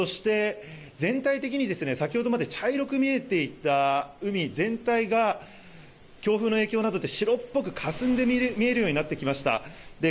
全体的に先ほどまで茶色く見えていた海全体が強風の影響などで白っぽくかすんで見えるような状況になってきました。